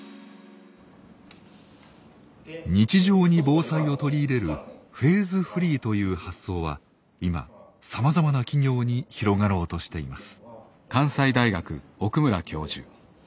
日常に防災を取り入れるフェーズフリーという発想は今さまざまな企業に広がろうとしています。